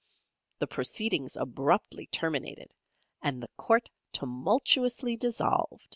The proceedings abruptly terminated, and the court tumultuously dissolved.